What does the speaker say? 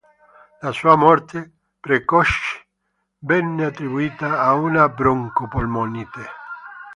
La sua morte precoce venne attribuita a una broncopolmonite.